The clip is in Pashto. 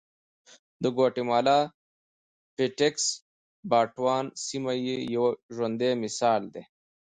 د ګواتیمالا پټېکس باټون سیمه یې یو ژوندی مثال دی